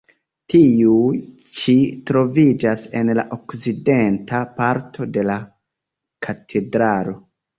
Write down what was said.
Tiu ĉi troviĝas en la okcidenta parto de la katedralo.